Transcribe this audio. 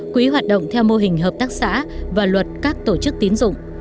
quỹ hoạt động theo mô hình hợp tác xã và luật các tổ chức tín dụng